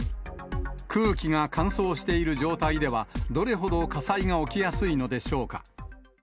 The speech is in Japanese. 空気が乾燥している状態では、どれほど火災が起きやすいのでしょうか。